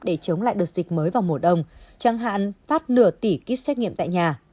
để chống lại đợt dịch mới vào mùa đông chẳng hạn phát nửa tỷ kit xét nghiệm tại nhà